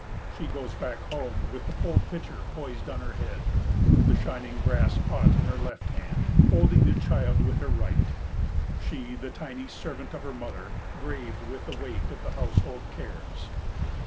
She goes back home with the full pitcher poised on her head, the shining brass pot in her left hand, holding the child with her right she the tiny servant of her mother, grave with the weight of the household cares.